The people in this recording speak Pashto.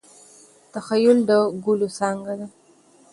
تخیل د ګلو څانګه ده.